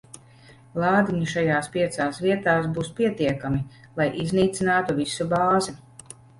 Lādiņi šajās piecās vietās būs pietiekami, lai iznīcinātu visu bāzi.